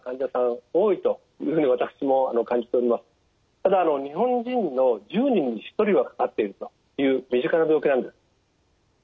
ただ日本人の１０人に１人はかかっているという身近な病気なんです。